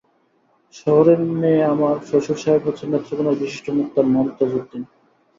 শহরের মেয়ে আমার শ্বশুরসাহেব হচ্ছেন নেত্রকোণার বিশিষ্ট মোক্তার মমতাজউদ্দিন!